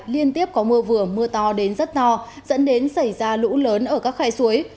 liên tiếp có mưa vừa mưa to đến rất to dẫn đến xảy ra lũ lớn ở các khe suối